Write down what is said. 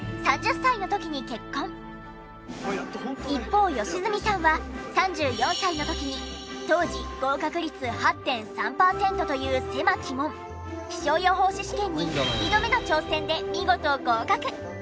一方良純さんは３４歳の時に当時合格率８．３パーセントという狭き門気象予報士試験に２度目の挑戦で見事合格！